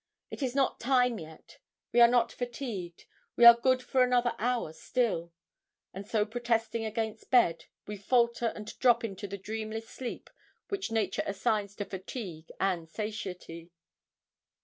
It is not time yet; we are not fatigued; we are good for another hour still, and so protesting against bed, we falter and drop into the dreamless sleep which nature assigns to fatigue and satiety.